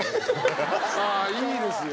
あいいですよ。